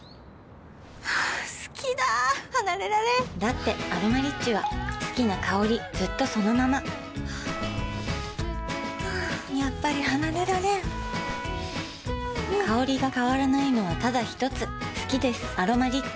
好きだ離れられんだって「アロマリッチ」は好きな香りずっとそのままやっぱり離れられん香りが変わらないのはただひとつ好きです「アロマリッチ」